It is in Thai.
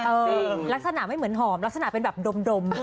ลักษณะไม่เหมือนหอมลักษณะเป็นแบบดม